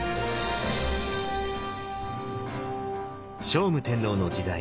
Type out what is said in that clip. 聖武天皇の時代